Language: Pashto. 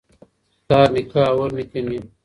پلار نیکه او ورنیکه مي